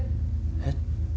えっ？